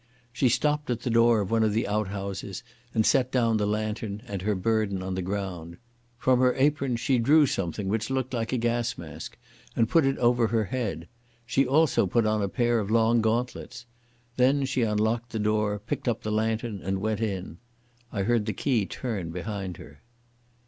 She stopped at the door of one of the outhouses and set down the lantern and her burden on the ground. From her apron she drew something which looked like a gas mask, and put it over her head. She also put on a pair of long gauntlets. Then she unlocked the door, picked up the lantern and went in. I heard the key turn behind her.